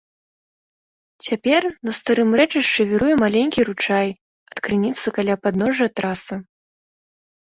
Цяпер на старым рэчышчы віруе маленькі ручай ад крыніцы каля падножжа тэрасы.